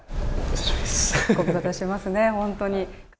ご無沙汰してますね、ホントに。